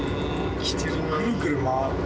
ぐるぐる回って。